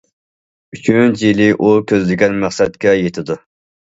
ئۈچىنچى يىلى ئۇ كۆزلىگەن مەقسەتكە يېتىدۇ.